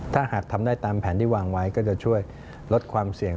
ถ้าหากทำได้ตามแผนที่วางไว้ก็จะช่วยลดความเสี่ยง